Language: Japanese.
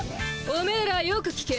おめえらよく聞け。